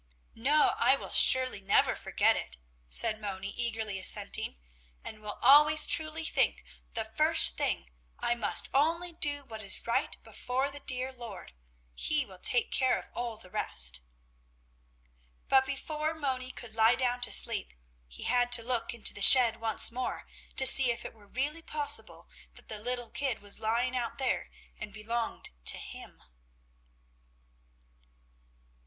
"No, I will surely never forget it," said Moni, eagerly assenting, "and will always truly think, the first thing: I must only do what is right before the dear Lord. He will take care of all the rest." But before Moni could lie down to sleep, he had to look into the shed once more, to see if it were really possible that the little kid was lying out there and belonged to him.